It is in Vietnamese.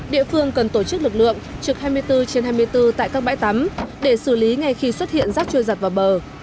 địa phương cần tổ chức lực lượng trực hai mươi bốn trên hai mươi bốn tại các bãi tắm để xử lý ngay khi xuất hiện rác trôi giặt vào bờ